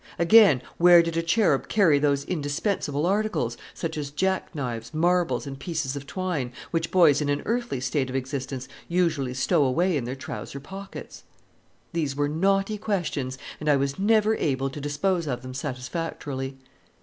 Again: Where did a cherub carry those indispensable articles (such as jack knives, marbles, and pieces of twine) which boys in an earthly state of existence usually stow away in their trousers pockets? These were knotty questions, and I was never able to dispose of them satisfactorily.